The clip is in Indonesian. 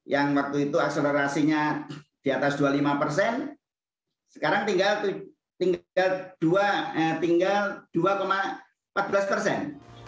yang waktu itu akselerasinya di atas dua puluh lima persen sekarang tinggal dua empat belas persen